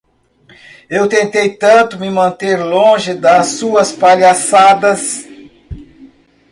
Eu tentei tanto me manter longe das suas palhaçadas.